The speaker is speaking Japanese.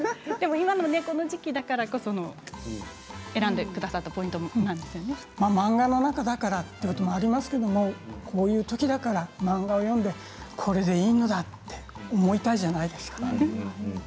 今のこの時期だからこそ選んでくださった漫画のことだからということもあるかもしれませんがこういうときだから漫画を読んでこれでいいのだと思いたいじゃないですか。